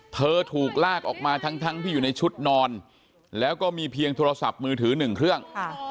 ถูกลากออกมาทั้งที่อยู่ในชุดนอนแล้วก็มีเพียงโทรศัพท์มือถือหนึ่งเครื่อง